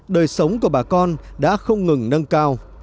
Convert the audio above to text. đời sống của bà con đã không ngừng nâng cao